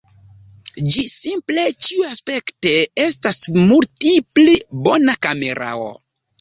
Ĝi simple ĉiuaspekte estas multi pli bona kamerao.